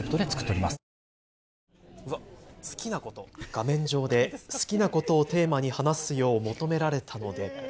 画面上で好きなことをテーマに話すよう求められたので。